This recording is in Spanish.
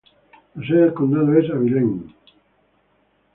La sede de condado es Abilene.